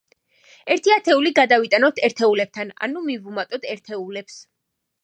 ერთი ათეული გადავიტანოთ ერთეულებთან, ანუ მივუმატოთ ერთეულებს.